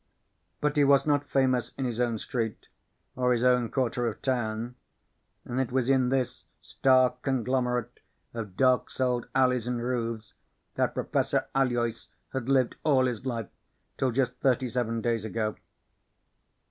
But he was not famous in his own street or his own quarter of town. And it was in this stark conglomerate of dark souled alleys and roofs that Professor Aloys had lived all his life till just thirty seven days ago.